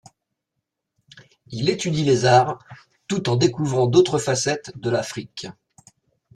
Il étudie les arts, tout en découvrant d'autres facettes de l'Afrique.